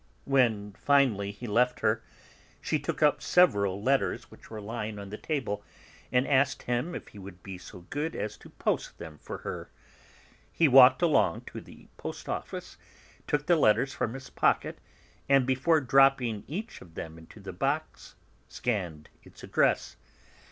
When finally he left her, she took up several letters which were lying on the table, and asked him if he would be so good as to post them for her. He walked along to the post office, took the letters from his pocket, and, before dropping each of them into the box, scanned its address.